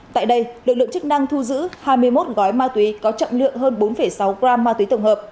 tại đây lực lượng chức năng thu giữ hai mươi một gói ma túy có trọng lượng hơn bốn sáu gram ma túy tổng hợp